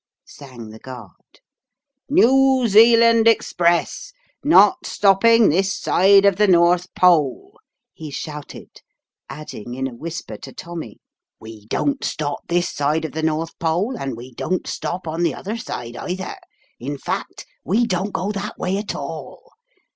sang the guard; "New Zealand Express! not stopping this side of the North Pole," he shouted, adding in a whisper to Tommy, " We don't stop this side of the North Pole, and we don't stop on the other side either; in fact we don't go that way at all.